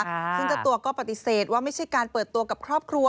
ซึ่งเจ้าตัวก็ปฏิเสธว่าไม่ใช่การเปิดตัวกับครอบครัว